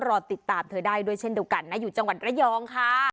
ใจตามเท่าไหรกิจนัดให้ด้วยกันอ่ะอยู่จังหวัดระยอง